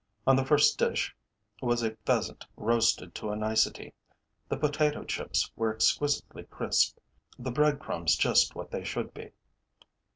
On the first dish was a pheasant roasted to a nicety; the potato chips were exquisitely crisp, the bread crumbs just what they should be.